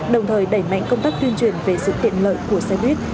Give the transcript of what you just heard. đồng thời đẩy mạnh công tác tuyên truyền về sự tiện lợi của xe buýt